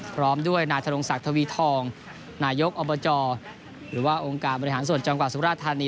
พร้อมด้วยนายธนงศักดิ์ทวีทองนายกอบจหรือว่าองค์การบริหารส่วนจังหวัดสุราธานี